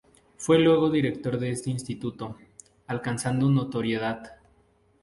Fue luego Director de este Instituto, alcanzando notoriedad.